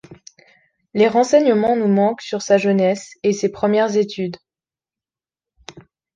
Les renseignements nous manquent sur sa jeunesse et ses premières études.